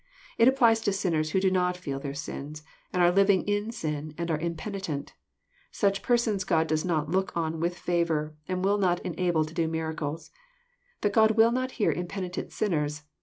It applies to sinners who do not feel their sins, and are living in sin, and are Impenitent. Such persons God does not look on with favour, and will not enable to do miracles. That God wilLnpt hear impenitent sinn^na.